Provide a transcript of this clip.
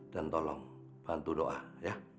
tolong bantu doa ya